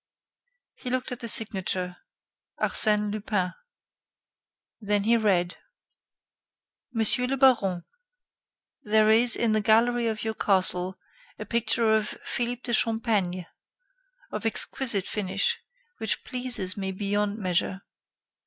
He looked at the signature: Arsène Lupin. Then he read: "Monsieur le Baron: "There is, in the gallery in your castle, a picture of Philippe de Champaigne, of exquisite finish, which pleases me beyond measure.